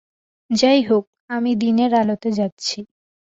যাই হোক, আমি দিনের আলোতে যাচ্ছি।